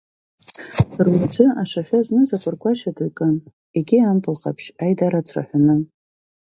Руаӡәы ашашәа зныз акәаркәашьа ду икын, егьи ампыл ҟаԥшь, аидара ацраҳәаны.